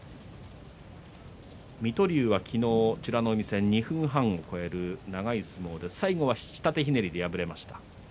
水戸龍は昨日、美ノ海戦２分半を超える長い相撲で最後は下手ひねりで破れました。